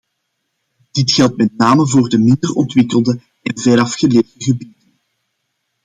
Dit geldt met name voor de minder ontwikkelde en verafgelegen gebieden.